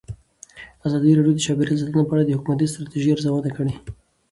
ازادي راډیو د چاپیریال ساتنه په اړه د حکومتي ستراتیژۍ ارزونه کړې.